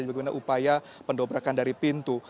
dan bagaimana upaya pendobrakan dari pintu